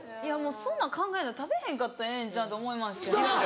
そんなん考えんだったら食べへんかったらええんちゃう？と思いますけどね。